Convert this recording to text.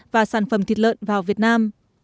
và sản phẩm thịt lợn vào việt nam